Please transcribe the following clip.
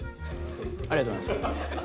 ありがとうございます